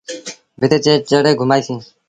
ڀت تي چڙهي گھمآسيٚݩ۔